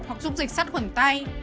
hoặc dùng dịch sắt khuẩn tay